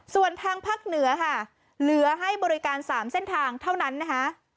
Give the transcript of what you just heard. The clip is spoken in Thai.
ส่วนทางภาคเหนือค่ะเหลือให้บริการ๓เส้นทางเท่านั้นนะคะ